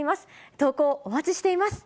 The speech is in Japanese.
投稿、お待ちしています。